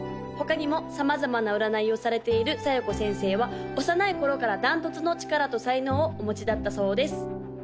他にも様々な占いをされている小夜子先生は幼い頃から断トツの力と才能をお持ちだったそうです